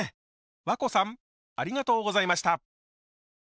わこさんありがとうございました。